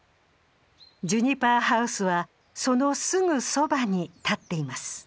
ジュニパーハウスはそのすぐそばに建っています